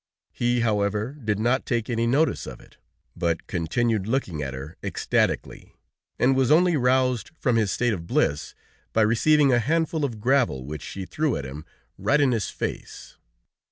He, however, did not take any notice of it, but continued looking at her ecstatically, and was only roused from his state of bliss by receiving a handful of gravel which she threw at him, right in his face.